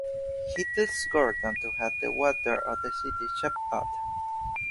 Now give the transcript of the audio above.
He tells Gordon to have the water to the city shut off.